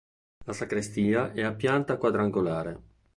La sacrestia è a pianta quadrangolare.